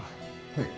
はい。